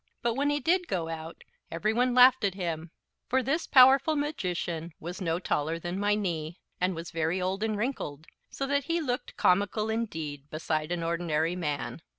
But when he did go out every one laughed at him; for this powerful magician was no taller than my knee, and was very old and wrinkled, so that he looked comical indeed beside an ordinary man.